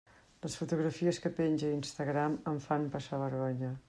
Les fotografies que penja a Instagram em fan passar vergonya.